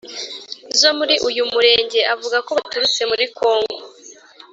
zo muri uyu murenge avuga ko baturutse muri congo